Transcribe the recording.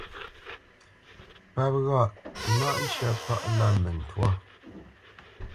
Páp ghâʼ: náʼ ncə́ pâʼlâ mə ntwâ.